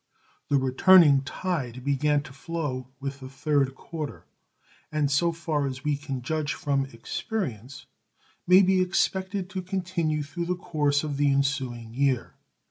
The returning tide began to flow with the third quarter, and, so far as we can judge from experience, may be expected to continue through the course of the ensuing year.